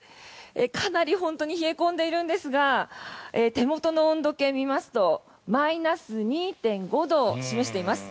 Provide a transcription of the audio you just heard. かなり本当に冷え込んでいるんですが手元の温度計を見ますとマイナス２．５度を示しています。